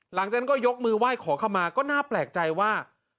หลังจากนั้นก็ยกมือไหว้ขอเข้ามาก็น่าแปลกใจว่า